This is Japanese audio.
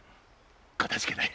かたじけない